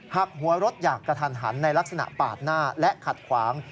หักหัวรถอย่างกระทันหันในลักษณะปาดหน้าและขัดขวาง